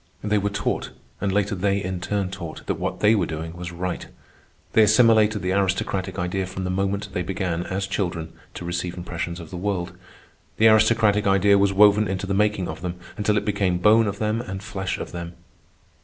They were taught, and later they in turn taught, that what they were doing was right. They assimilated the aristocratic idea from the moment they began, as children, to receive impressions of the world. The aristocratic idea was woven into the making of them until it became bone of them and flesh of them.